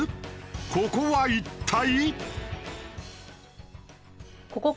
ここは一体？